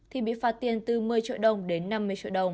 thì bị phạt tiền từ một mươi triệu đồng đến năm mươi triệu đồng